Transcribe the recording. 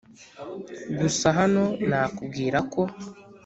gusa hano nakubwira ko